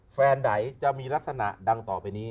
แฟนไหนจะมีลักษณะดังต่อไปนี้